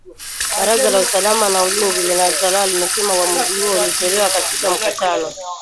Baraza la usalama na ulinzi linalotawala limesema uamuzi huo ulitolewa katika mkutano